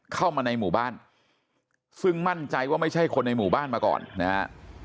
เข้ามาในหมู่บ้านซึ่งมั่นใจว่าไม่ใช่คนในหมู่บ้านมาก่อนนะฮะ